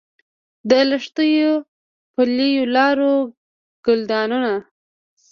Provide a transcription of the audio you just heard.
د لښتیو، پلیو لارو، ګلدانونو